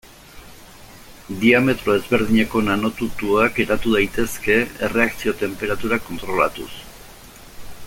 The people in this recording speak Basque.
Diametro ezberdineko nanotutuak eratu daitezke erreakzio tenperatura kontrolatuz.